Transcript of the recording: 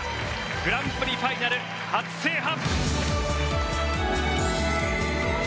グランプリファイナル初制覇！